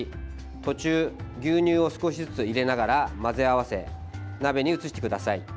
途中、牛乳を少しずつ入れながら混ぜ合わせ、鍋に移してください。